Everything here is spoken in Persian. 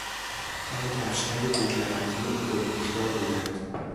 ته کفشهای کوهنوردی او گلمیخدار بودند.